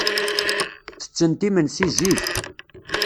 Ttettent imensi zik.